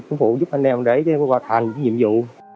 cũng phụ giúp anh em để có hoàn thành nhiệm vụ